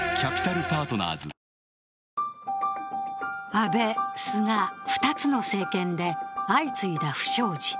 安倍、菅、２つの政権で相次いだ不祥事。